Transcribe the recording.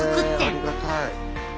へえありがたい。